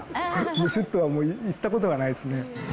ぶしゅっとは、いったことがないですね。